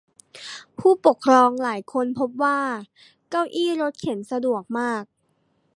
ผู้ปกครองหลายคนพบว่าเก้าอี้รถเข็นสะดวกมาก